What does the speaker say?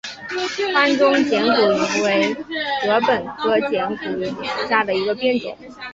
川中剪股颖为禾本科剪股颖属下的一个变种。